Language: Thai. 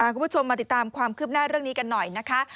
คุณผู้ชมมาติดตามความคืบหน้าเรื่องนี้กันหน่อยนะคะ